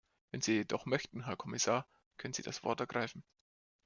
Wenn Sie jedoch möchten, Herr Kommissar, können Sie das Wort ergreifen.